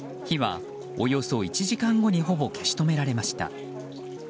火はおよそ１時間後にほぼ消し止められました。